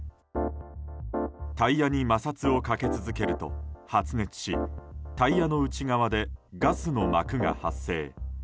タイヤに摩擦をかけ続けると発熱しタイヤの内側でガスの膜が発生。